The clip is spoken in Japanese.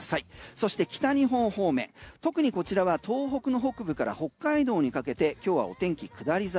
そして北日本方面、特にこちらは東北の北部から北海道にかけて今日はお天気下り坂。